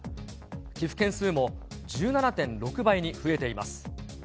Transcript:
寄付件数も１７．６倍に増えています。